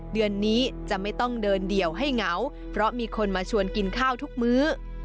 เดือนนี้จะไม่ต้องเดินเดี่ยวให้เหงาเพราะมีคนมาชวนกินข้าวทุกมื้อ